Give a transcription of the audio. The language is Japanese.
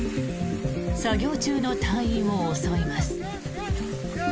作業中の隊員を襲います。